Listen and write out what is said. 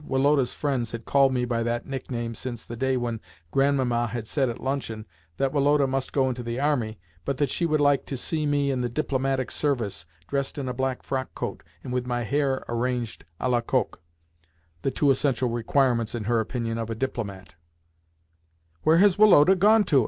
Woloda's friends had called me by that nickname since the day when Grandmamma had said at luncheon that Woloda must go into the army, but that she would like to see me in the diplomatic service, dressed in a black frock coat, and with my hair arranged à la coq (the two essential requirements, in her opinion, of a diplomat). "Where has Woloda gone to?"